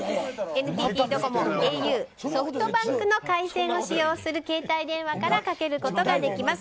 ＮＴＴドコモ、ａｕソフトバンクの回線を使用する携帯電話からかけることができます。